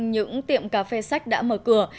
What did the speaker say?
những tiệm cà phê sách đã mở cửa